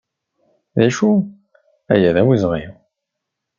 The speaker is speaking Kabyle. D acu? Aya d awezɣi!